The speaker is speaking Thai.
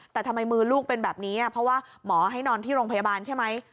แต่ทำไมมือลูกเป็นแบบนี้เพราะว่าหมอให้นอนที่โรงพยาบาลใช่ไหม